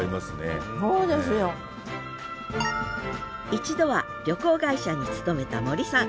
一度は旅行会社に勤めた森さん。